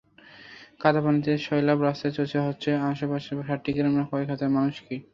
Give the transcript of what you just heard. কাদা পানিতে সয়লাব রাস্তায় চলতে হচ্ছে আশপাশের সাতটি গ্রামের কয়েক হাজার মানুষকে।